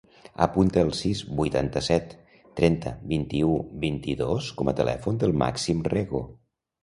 Apunta el sis, vuitanta-set, trenta, vint-i-u, vint-i-dos com a telèfon del Màxim Rego.